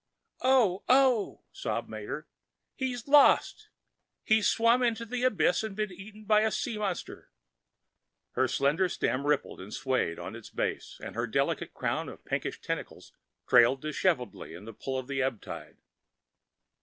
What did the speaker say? "Oh, oh," sobbed Mater. "He's lost. He's swum into the abyss and been eaten by a sea monster." Her slender stem rippled and swayed on its base and her delicate crown of pinkish tentacles trailed disheveled in the pull of the ebbtide.